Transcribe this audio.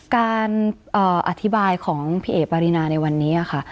การอธิบายของพี่เอ๋ปารีนาในวันนี้ค่ะ